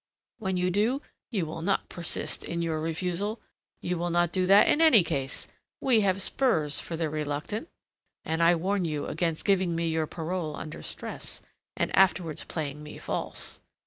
When you do, you will not persist in your refusal. You will not do that in any case. We have spurs for the reluctant. And I warn you against giving me your parole under stress, and afterwards playing me false.